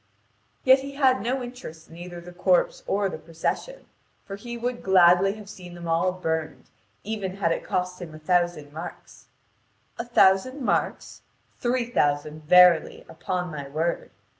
Yet he had no interest in either the corpse or the procession, for he would gladly have seen them all burned, even had it cost him a thousand marks. A thousand marks? Three thousand, verily, upon my word.